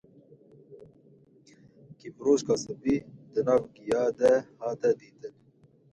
kîvroşka spî di nav gîya de hate dîtin